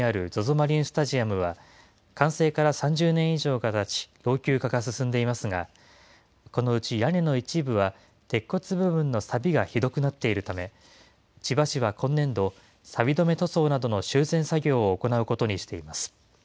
マリンスタジアムは、完成から３０年以上がたち、老朽化が進んでいますが、このうち屋根の一部は、鉄骨部分のさびがひどくなっているため、千葉市は今年度、さび止め塗装などの修繕作業を行うことにしています。